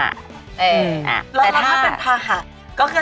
แล้วถ้าเป็นภาหะ